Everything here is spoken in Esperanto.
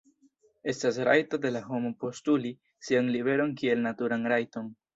Estas rajto de la homo postuli sian liberon kiel naturan rajton.